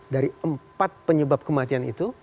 dari empat penyebab kematian itu